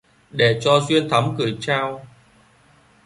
Để cho duyên thắm gửi trao